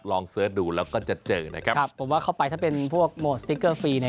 ลองเซิร์ชดูแล้วก็จะจะเจอนะครับผมว่าเข้าไปถ้าเป็นพวกโมโหตสติ๊กเกอร์ฟรี